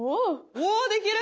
おできる！